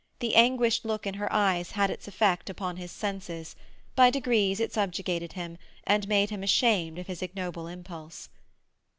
The anguished look in her eyes had its effect upon his senses; by degrees it subjugated him, and made him ashamed of his ignoble impulse.